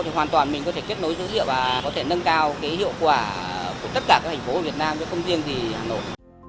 thì hoàn toàn mình có thể kết nối dữ liệu và có thể nâng cao hiệu quả của tất cả thành phố việt nam với không riêng hà nội